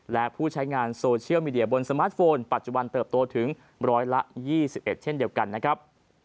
และผู้ใช้งานโซเชียลมีเดียบนสมาร์ทโฟนปัจจุบันเติบโตถึงร้อยละ๒๑เช่นเดียวกันนะครับ